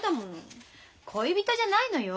恋人じゃないのよ。